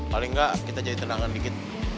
paling gak kita jadi tenangkan dikit